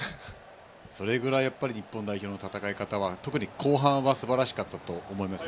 それぐらい日本代表の戦い方は特に後半はすばらしかったと思います。